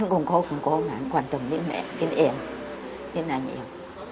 anh cùng cô cùng cô mà anh quan tâm đến mẹ đến em đến anh em